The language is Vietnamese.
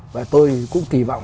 và tôi cũng kỳ vọng